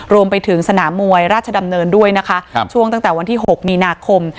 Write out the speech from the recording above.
รวมไปถึงสนามมวยราชดำเนินด้วยนะคะช่วงตั้งแต่วันที่๖มีนาคม